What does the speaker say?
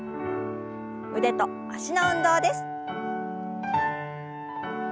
腕と脚の運動です。